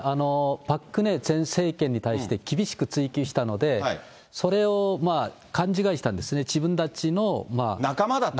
パク・クネ前政権に対して、厳しく追及したので、それを勘違いしたんですね、仲間だと。